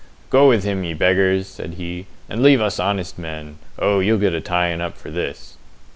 "Go with him, ye beggars!" said he, "and leave us honest men! Oh, ye'll get a tying up for this."